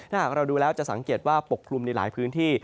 ถ้าหากเราดูแล้วจะสังเกตว่าปกคลุมในหลายพื้นที่